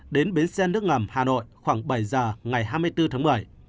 đến bến xe nước ngầm hà nội khoảng bảy h ngày hai mươi bốn tháng một mươi